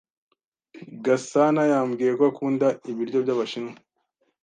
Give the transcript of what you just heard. Gasanayambwiye ko akunda ibiryo by'Abashinwa.